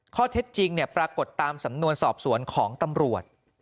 ข้อเท็จจริงปรากฏตามสำนวนสอบสวนของตำรวจ